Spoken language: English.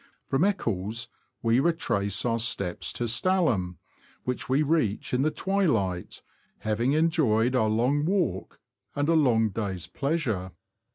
From Eccles we retrace our steps to Stalham, which we reach in the twilight, having enjoyed our long walk and long day's pleasure.